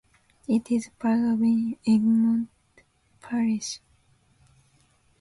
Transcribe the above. It is part of Egmont Parish.